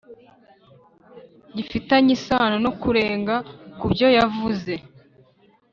gifitanye isano no kurenga kubyo yavuze